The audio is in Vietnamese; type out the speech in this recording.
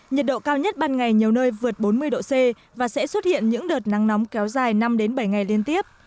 nhiệt độ cao nhất ban ngày nhiều nơi vượt bốn mươi độ c và sẽ xuất hiện những đợt nắng nóng kéo dài năm bảy ngày liên tiếp